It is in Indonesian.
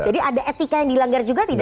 jadi ada etika yang dilanggar juga tidak